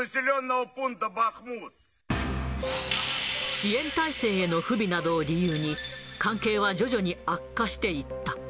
支援体制への不備などを理由に、関係は徐々に悪化していった。